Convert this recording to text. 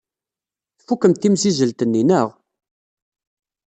Tfukemt timsizzelt-nni, naɣ?